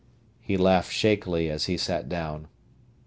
He laughed shakily as he sat down.